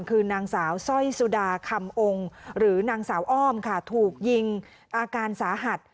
คือนางสาวสร้อยสุดาคำองค์หรือนางสาวอ้อมค่ะถูกยิงอาการสาหัส